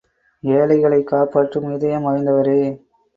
ஏழைகளைக் காப்பாற்றும் இதயம் வாய்ந்தவரே!